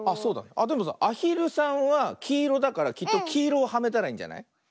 あっでもさアヒルさんはきいろだからきっときいろをはめたらいいんじゃない？